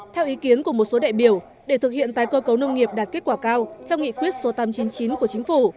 theo ý kiến của một số đại biểu để thực hiện tái cơ cấu nông nghiệp đạt kết quả cao theo nghị quyết số tám trăm chín mươi chín của chính phủ